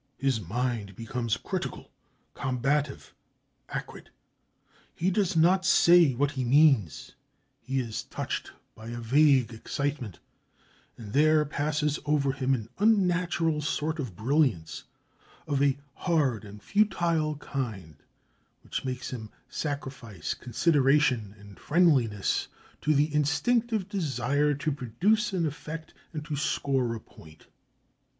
His mind becomes critical, combative, acrid; he does not say what he means, he is touched by a vague excitement, and there passes over him an unnatural sort of brilliance, of a hard and futile kind, which makes him sacrifice consideration and friendliness to the instinctive desire to produce an effect and to score a point.